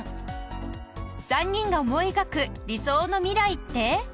３人が思い描く理想のミライって？